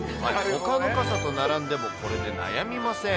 ほかの傘と並んでも、これで悩みません。